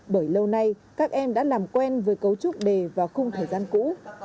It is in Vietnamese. bởi lâu nay các em đã làm quen với cấu trúc đề vào khung thời gian cũ